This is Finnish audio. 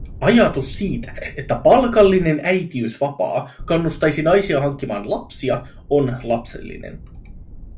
Ajatus siitä, että palkallinen äitiysvapaa kannustaisi naisia hankkimaan lapsia, on lapsellinen.